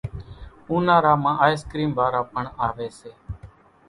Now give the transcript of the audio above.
اونارا مان آئيسڪريم وارا پڻ آويَ سي۔